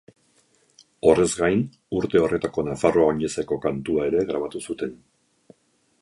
Horrez gain, urte horretako Nafarroa Oinez-eko kantua ere grabatu zuten.